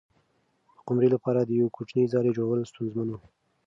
د قمرۍ لپاره د یوې کوچنۍ ځالۍ جوړول ستونزمن و.